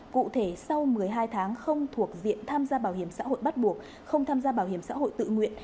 cụ thể sau một mươi hai tháng không thuộc diện tham gia bảo hiểm xã hội bắt buộc không tham gia bảo hiểm xã hội tự nguyện